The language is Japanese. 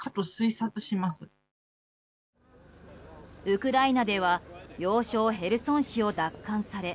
ウクライナでは要衝ヘルソン市を奪還され